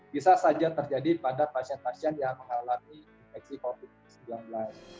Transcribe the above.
bisa saja terjadi pada pasien pasien yang mengalami infeksi covid sembilan belas